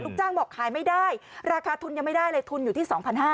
จ้างบอกขายไม่ได้ราคาทุนยังไม่ได้เลยทุนอยู่ที่๒๕๐๐